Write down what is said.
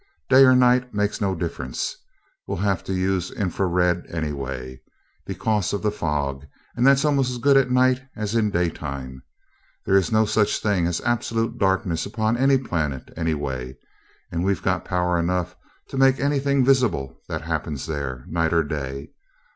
Day or night makes no difference we'll have to use infra red anyway, because of the fog, and that's almost as good at night as in the daytime. There is no such thing as absolute darkness upon any planet, anyway, and we've got power enough to make anything visible that happened there, night or day.